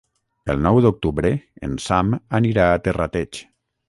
El nou d'octubre en Sam anirà a Terrateig.